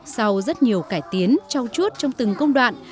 sau rất nhiều cải tiến trao chuốt trong từng công đoạn